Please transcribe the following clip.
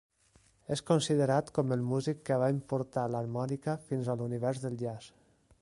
És considerat com el músic que va importar l'harmònica fins a l'univers de jazz.